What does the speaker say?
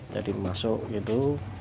jadi masuk gitu